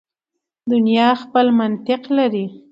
دنیا خپل منطق لري.